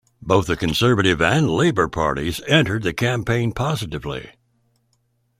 Both the Conservative and Labour parties entered the campaign positively.